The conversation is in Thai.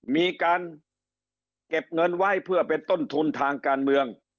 มีการเก็บเงินไว้เพื่อเป็นต้นทุนทางการเมือง